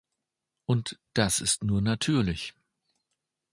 Und das ist nur natürlich.